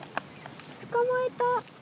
捕まえた。